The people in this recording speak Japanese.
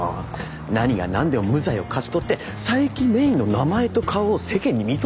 何が何でも無罪を勝ち取って佐伯芽依の名前と顔を世間に認めさせるのよ。